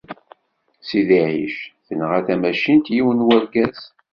Sidi Ɛic, tenɣa tmacint yiwen n urgaz.